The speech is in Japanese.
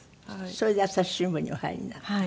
それで朝日新聞にお入りになった。